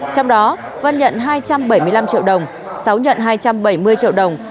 trong đó vân nhận hai trăm bảy mươi năm triệu đồng sáu nhận hai trăm bảy mươi triệu đồng